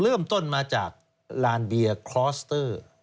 เริ่มต้นมาจากลานเบียร์คลอสเตอร์